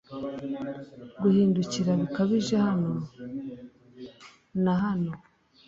guhindukira bikabije hano na hano